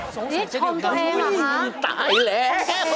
สงสัยเจ้าหนึ่งอุ๊ยตายแล้ว